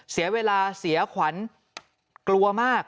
เสียเวลาเสียขวัญกลัวมาก